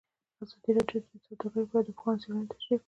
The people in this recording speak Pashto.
ازادي راډیو د سوداګري په اړه د پوهانو څېړنې تشریح کړې.